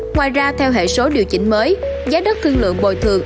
ngoài ra theo hệ số điều chỉnh mới giá đất thương lượng bồi thường